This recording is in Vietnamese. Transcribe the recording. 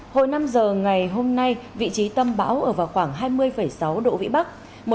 hồi năm giờ ngày hôm nay vị trí tâm bão ở vào khoảng hai mươi sáu độ vĩ bắc